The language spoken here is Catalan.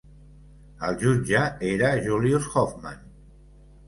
El jutge era Julius Hoffman.